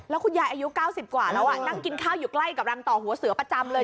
แล้วคุณยายอายุ๙๐กว่าแล้วนั่งกินข้าวอยู่ใกล้กับรังต่อหัวเสือประจำเลย